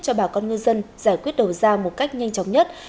cho bà con ngư dân giải quyết đầu ra một cách nhanh chóng nhất